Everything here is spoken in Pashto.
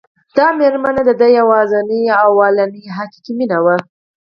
دا مېرمن د ده یوازېنۍ او لومړنۍ حقیقي مینه وه